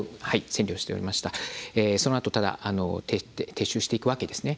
そのあと撤収していくわけですね。